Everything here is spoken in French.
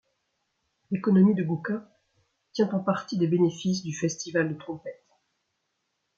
L'économie de Guča tient en partie des bénéfices du festival de trompette.